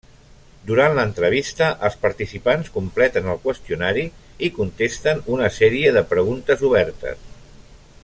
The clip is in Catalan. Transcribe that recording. Durant l'entrevista, els participants completen el qüestionari i contesten una sèrie de preguntes obertes.